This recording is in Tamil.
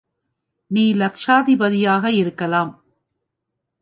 நீ லக்ஷாதிபதியாய் இருக்கலாம்.